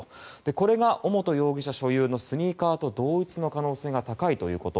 これが尾本容疑者所有のスニーカーと同一の可能性が高いということ。